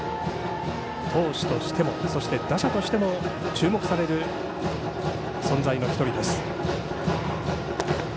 投手としてもそして打者としても注目される存在の１人です。